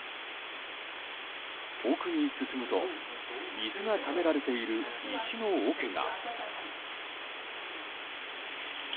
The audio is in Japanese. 奥に進むと水がためられている石のおけが。